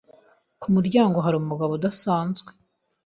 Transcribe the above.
Ku muryango hari umugabo udasanzwe.